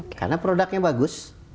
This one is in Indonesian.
karena produknya bagus